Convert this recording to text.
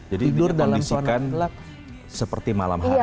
jadi kondisikan seperti malam hari